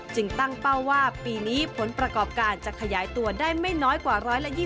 ตั้งเป้าว่าปีนี้ผลประกอบการจะขยายตัวได้ไม่น้อยกว่า๑๒๐